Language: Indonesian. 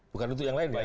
bukan untuk yang lain ya